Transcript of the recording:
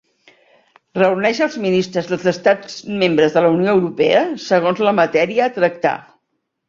Reuneix als ministres dels estats membres de la Unió Europea segons la matèria a tractar.